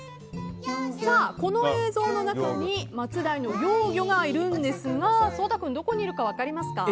この映像の中にマツダイの幼魚がいるんですが颯太君、どこにいるか分かりますか？